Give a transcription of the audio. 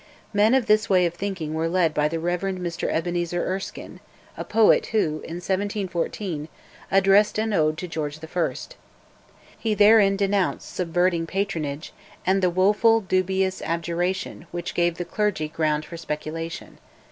Men of this way of thinking were led by the Rev. Mr Ebenezer Erskine, a poet who, in 1714, addressed an Ode to George I. He therein denounced "subverting patronage" and "the woful dubious Abjuration Which gave the clergy ground for speculation."